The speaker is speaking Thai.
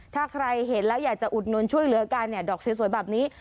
ถ้าใครเห็นแล้วอยากจะอุดหนุนช่วยเหลือกันเนี่ยดอกสวยแบบนี้